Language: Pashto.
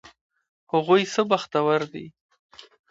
هغوی څه بختور دي!